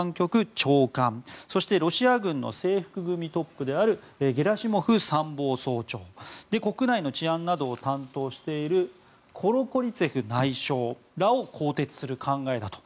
ロシア軍の制服組トップであるゲラシモフ参謀総長国内の治安などを担当しているコロコリツェフ内相らを更迭する考えだと。